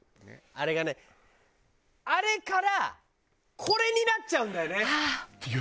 あれがねあれからこれになっちゃうんだよね。